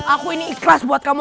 aku ini ikhlas buat kamu